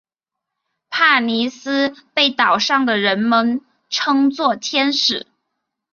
帕妮丝被岛上的人们称作天使。